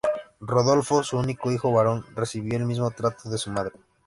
Rodolfo, su único hijo varón, recibió el mismo trato de su madre.